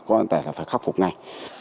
có thể là phải khắc phục ngay